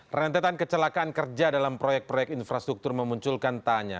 rentetan kecelakaan kerja dalam proyek proyek infrastruktur memunculkan tanya